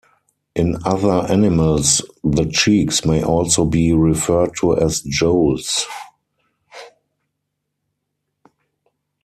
In other animals the cheeks may also be referred to as jowls.